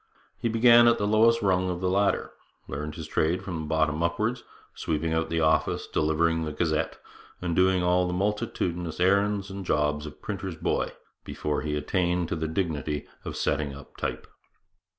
He began at the lowest rung of the ladder, learned his trade from the bottom upwards, sweeping out the office, delivering the Gazette, and doing all the multitudinous errands and jobs of printer's boy before he attained to the dignity of setting up type.